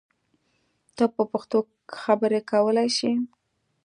ته په پښتو خبری کولای شی!